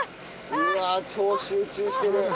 うわあ超集中してる。